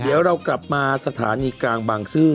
เดี๋ยวเรากลับมาสถานีกลางบางซื่อ